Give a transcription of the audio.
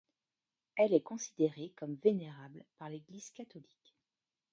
Elle est considérée comme vénérable par l'Église catholique.